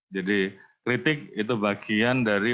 jadi kritik itu bagian dari